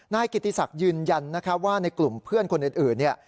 นายกิติศักดิ์ยืนยันว่าในกลุ่มเพื่อนคนอื่น